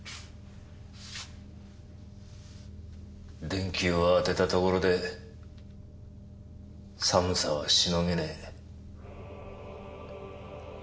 電球を当てたところで寒さはしのげねえ。